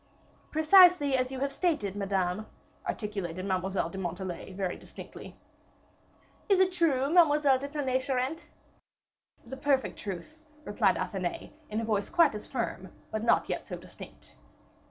"Precisely as you have stated, Madame," articulated Mademoiselle de Montalais, very distinctly. "Is it true, Mademoiselle de Tonnay Charente?" "The perfect truth," replied Athenais, in a voice quite as firm, but not yet so distinct.